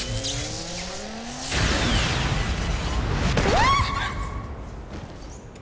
うわ！